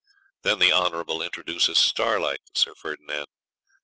Then the Honourable introduces Starlight to Sir Ferdinand.